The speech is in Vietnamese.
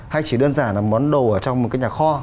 hay chỉ đơn giản là món đồ ở trong một cái nhà kho